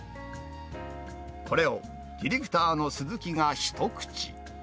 これをディレクターのすずきが一口。